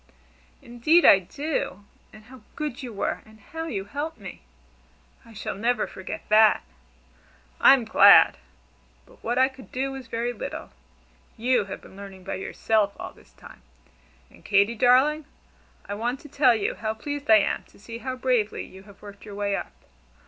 "Indeed I do! And how good you were, and how you helped me! I shall never forget that." "I'm glad! But what I could do was very little. You have been learning by yourself all this time. And Katy, darling, I want to tell you how pleased I am to see how bravely you have worked your way up.